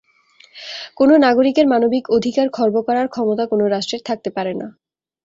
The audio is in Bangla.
কোনো নাগরিকের মানবিক অধিকার খর্ব করার ক্ষমতাঁ কোনো রাষ্ট্রের থাকতে পারে না।